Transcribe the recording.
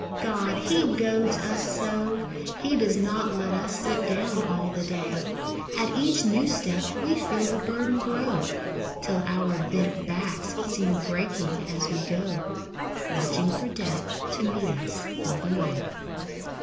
God! he goads us so! He does not let us sit down all the day. At each new step we feel the burden grow, Till our bent backs seem breaking as we go, Watching for Death to meet us on the way.